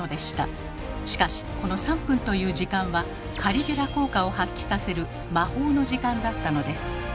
しかしこの３分という時間はカリギュラ効果を発揮させる「魔法の時間」だったのです。